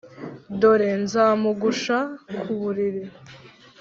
Dore nzamugusha ku buriri,